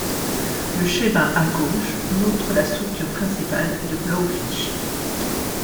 Le schéma à gauche montre la structure principale de Blowfish.